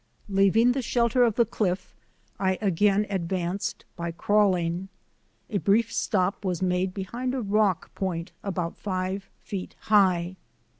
Leaving the shelter of the cliff, I again advanced by crawling. A brief stop was made behind a rock point about five feet high.